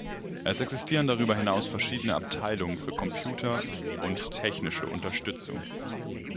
Es existieren darüber hinaus verschiedene Abteilungen für Computer- und technische Unterstützung.